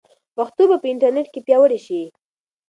پښتو به په انټرنیټ کې پیاوړې شي.